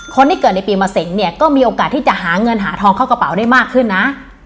คนที่เกิดในปีมะเสงเนี่ยก็มีโอกาสที่จะหาเงินหาทองเข้ากระเป๋าได้มากขึ้นนะ